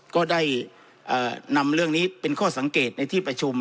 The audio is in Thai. ก็ได้นำเรื่องนี้เป็นข้อสังเกตในที่ประชุม